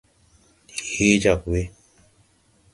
Ndi hee jag we.